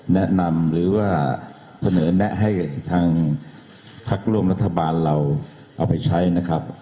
แนะนำหรือว่าเสนอแนะให้ทางพักร่วมรัฐบาลเราเอาไปใช้นะครับ